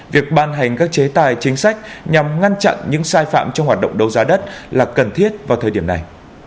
việc ban hành các chế tài chính sách nhằm ngăn chặn những sai phạm trong hoạt động đấu giá đất là cần thiết vào thời điểm này